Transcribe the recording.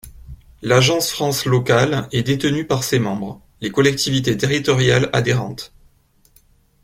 L'Agence France Locale est détenue par ses membres, les collectivités territoriales adhérentes.